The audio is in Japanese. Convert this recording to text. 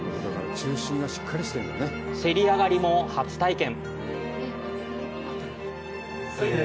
競り上がりも初体験。